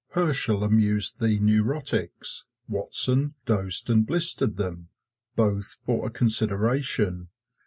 Herschel amused the neurotics, Watson dosed and blistered them both for a consideration.